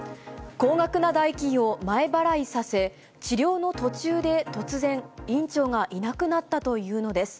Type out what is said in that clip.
高額な代金を前払いさせ、治療の途中で突然、院長がいなくなったというのです。